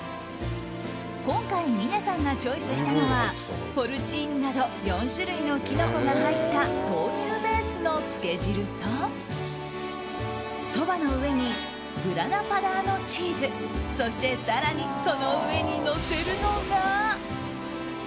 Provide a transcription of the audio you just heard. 今回、峰さんがチョイスしたのはポルチーニなど４種類のキノコが入った豆乳ベースのつけ汁とそばの上にグラナ・パダーノチーズそして、更にその上にのせるのが。